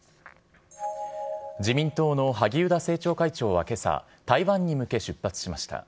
自民党の萩生田政調会長はけさ、台湾に向け出発しました。